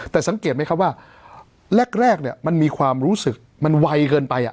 แต่สังเกตไหมครับว่าแรกมันมีความรู้สึกมันไวเกินไป